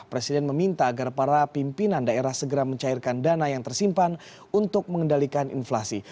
presiden meminta agar para pimpinan daerah segera mencairkan dana yang tersimpan untuk mengendalikan inflasi